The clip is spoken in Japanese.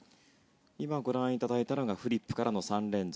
今ご覧いただいたのがフリップからの３連続。